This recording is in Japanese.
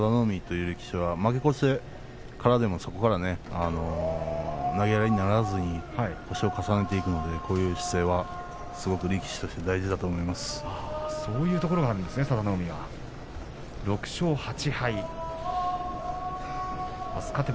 佐田の海という力士は負け越しても、そこからなげやりにならずに星を重ねていくのでこういう姿勢は力士としてそういうところがあるんですね佐田の海、６勝８敗。